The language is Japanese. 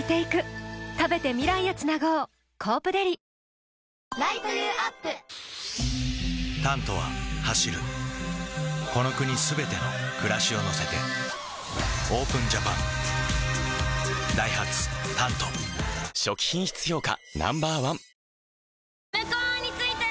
今ここに私のそばにいてくれてる直木「タント」は走るこの国すべての暮らしを乗せてＯＰＥＮＪＡＰＡＮダイハツ「タント」初期品質評価